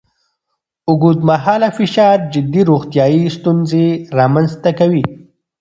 اوږدمهاله فشار جدي روغتیایي ستونزې رامنځ ته کوي.